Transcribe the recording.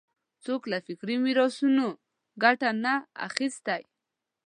څوک له فکري میراثونو ګټه نه اخیستی